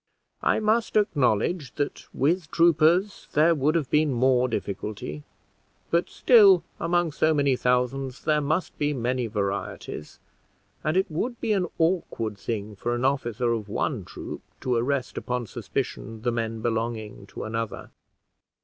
I must acknowledge that, with troopers, there would have been more difficulty; but still, among so many thousands, there must be many varieties, and it would be an awkward thing for an officer of one troop to arrest upon suspicion the men belonging to another.